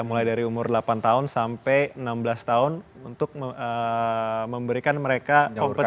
mulai dari umur delapan tahun sampai enam belas tahun untuk memberikan mereka kompetisi